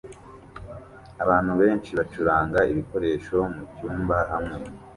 Abantu benshi bacuranga ibikoresho mucyumba hamwe